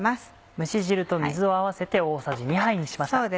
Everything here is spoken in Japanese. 蒸し汁と水を合わせて大さじ２杯にしました。